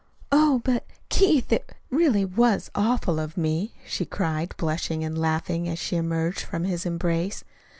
"Oh, but, Keith, it really was awful of me," she cried, blushing and laughing, as she emerged from his embrace.